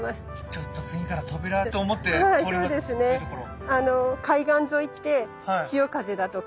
ちょっと次からトベラと思って通りますそういうところ。